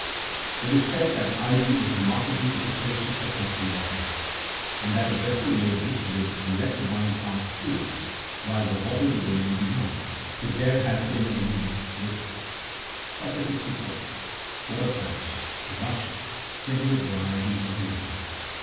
It is said that ivy is remark ably efficacious for testing wine, and that a vessel made of this wood will let the wine pass through it, while the water will remain behind, if there has been any mixed with it.21 chai\ 64. (36.) — watek plants: the rush : twenty eight varieties oe the reed.